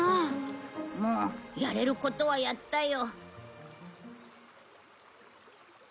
もうやれることはやったよ。